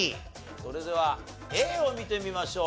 それではＡを見てみましょう。